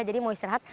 jadi mau istirahat